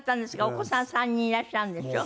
お子さん３人いらっしゃるんでしょ？